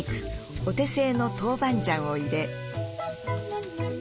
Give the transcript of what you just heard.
お手製の豆板醤を入れ。